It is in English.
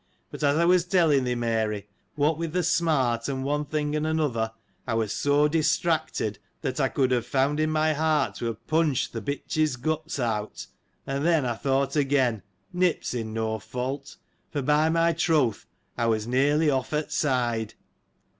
But, as I was telling thee, Mary, what with the smart, and one thing and another, I was so distracted, that I could have found in my heart to have punched th' bitch's guts out ; and then, I thought again, Nip's in no fault: for by my troth I was nearly off at side.